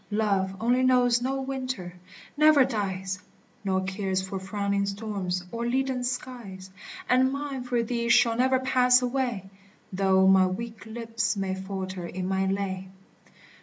Love only knows no winter ; never dies : Nor cares for frowning storms or leaden skies. And mine for thee shall never pass away, Though my weak lips may falter in my lay.